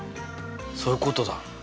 そういうことだ。